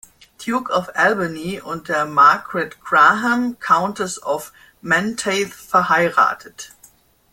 Duke of Albany und der Margaret Graham, Countess of Menteith, verheiratet.